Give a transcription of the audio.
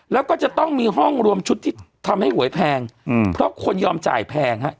แล้วก็จะต้องมีห้องรวมชุดที่ทำให้หวยแพงเพราะคนยอมจ่ายแพงฮะ